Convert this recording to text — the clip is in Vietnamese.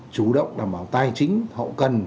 chủ động đảm bảo tài chính hậu cần